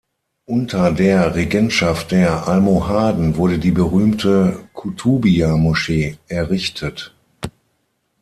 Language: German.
Unter der Regentschaft der Almohaden wurde die berühmte Koutoubia-Moschee errichtet.